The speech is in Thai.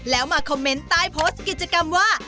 แล้วมาคอมเมนต์ใต้โพสต์กิจกรรมว่า